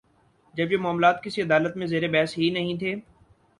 جب یہ معاملات کسی عدالت میں زیر بحث ہی نہیں تھے۔